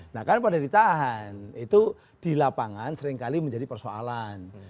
nah karena pada ditahan itu di lapangan seringkali menjadi persoalan